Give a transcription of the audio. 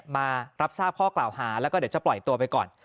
มารับทราบข้อกล่าวหาแล้วก็เดี๋ยวจะปล่อยตัวไปก่อน